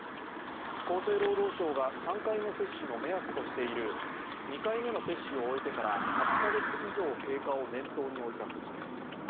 厚生労働省が３回目接種の目安としている２回目の接種を終えてから８カ月以上経過を念頭に置いた措置です。